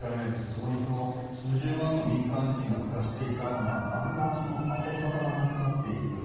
そこに数十万の民間人が暮らしていたのがだんだん跡形がなくなっていく。